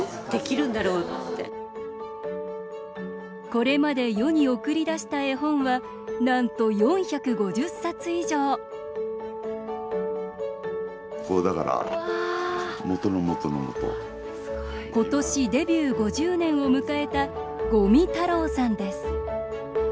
これまで世に送り出した絵本はなんと４５０冊以上今年、デビュー５０年を迎えた五味太郎さんです。